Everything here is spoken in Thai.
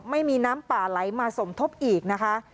ไม่มีน้ำป่าไหลมาสมทบอีกนะคะ